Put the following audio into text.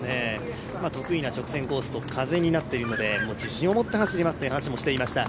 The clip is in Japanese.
得意な直線コースと風になっているので、自信を持って走りますという話もしていました。